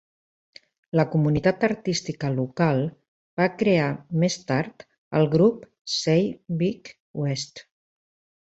La comunitat artística local va crear més tard el grup Save Big West.